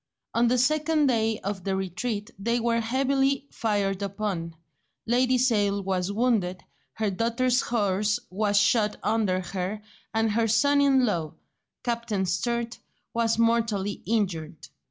On the second day of the retreat they were heavily fired upon, Lady Sale was wounded, her daughter's horse was shot under her, and her son in law, Captain Sturt, was mortally injured.